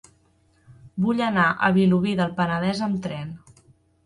Vull anar a Vilobí del Penedès amb tren.